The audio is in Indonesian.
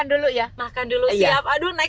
terima kasih banyak